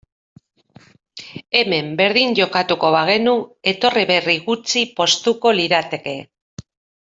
Hemen berdin jokatuko bagenu, etorri berri gutxi poztuko lirateke.